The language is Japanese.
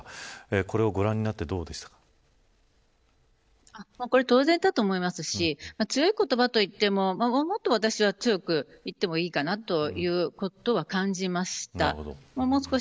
これをご覧になって当然だと思いますし強い言葉と言ってももっと私は強く言ってもいいかなということは感じました。